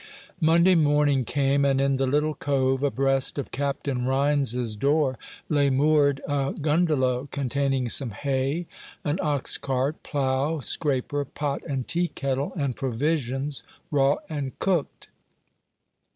Monday morning came, and in the little cove, abreast of Captain Rhines's door, lay moored a "gundelow," containing some hay, an ox cart, plough, scraper, pot and tea kettle, and provisions, raw and cooked.